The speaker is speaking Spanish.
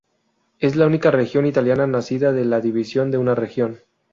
Es la única región italiana nacida de la división de una región.